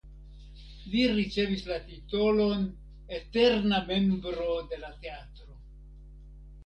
Li ricevis la titolon "eterna membro de la teatro".